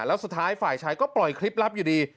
แล้วสุดท้ายฝ่ายชายก็ปล่อยคลิปลับอยู่ดี